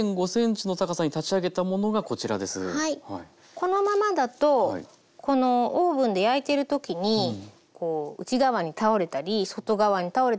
このままだとオーブンで焼いてる時にこう内側に倒れたり外側に倒れたりしやすいので。